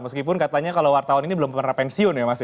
meskipun katanya kalau wartawan ini belum pernah pensiun ya mas ya